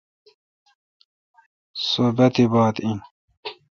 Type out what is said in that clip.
سوبھ باتیبات این۔